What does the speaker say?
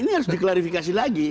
ini harus diklarifikasi lagi